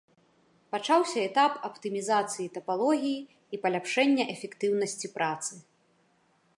Пачаўся этап аптымізацыі тапалогіі і паляпшэння эфектыўнасці працы.